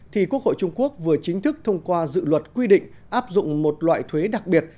thì quốc hội trung quốc vừa chính thức thông qua dự luật quy định áp dụng một loại thuế đặc biệt